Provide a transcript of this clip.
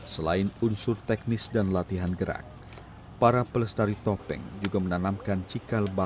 selain unsur teknis dan latihan gerak para pelestari topeng juga menanamkan cikal bakal